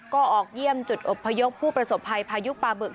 ก็ออกเยี่ยมจุดอบพยพผู้ประสบภัยพายุปลาบึก